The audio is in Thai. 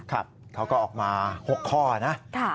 เขาก็ออกมา๖ข้อนะ